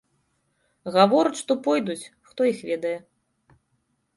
Гавораць, што пойдуць, хто іх ведае.